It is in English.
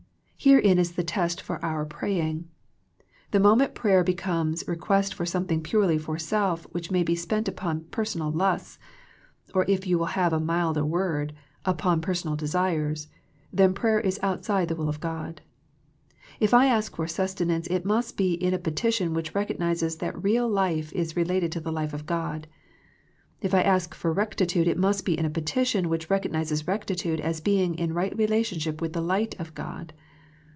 Herein is the test for our pray ing. The moment prayer becomes request for something purely for self which may be spent upon personal lusts — or if you will have a milder word, upon personal desires — then prayer is out side the will of God. If I ask for sustenance it must be in a petition which recognizes that real life is related to the life of God. If I ask for rectitude it must be in a petition which recog nizes rectitude as being in right relationship with the light of God.